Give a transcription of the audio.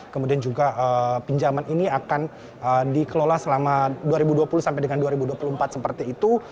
kemudian juga pinjaman ini akan dikelola selama dua ribu dua puluh sampai dengan dua ribu dua puluh empat seperti itu